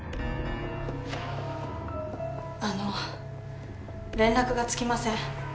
あの連絡がつきません。